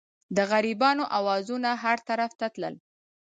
د غریبانو اوازونه هر طرف ته تلل.